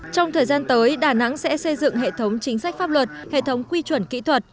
trong thời gian tới đà nẵng sẽ xây dựng hệ thống chính sách pháp luật hệ thống quy chuẩn kỹ thuật